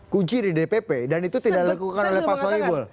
kunci di dpp dan itu tidak dilakukan oleh pak soebul